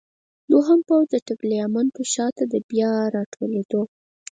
دوهم پوځ د ټګلیامنتو شاته د بیا راټولېدو.